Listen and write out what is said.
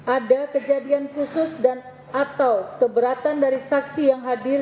ada kejadian khusus dan atau keberatan dari saksi yang hadir